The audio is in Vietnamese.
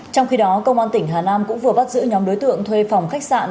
trong khi đó công an tỉnh hà nam cũng vừa bắt giữ nhóm đối tượng thuê phòng khách sạn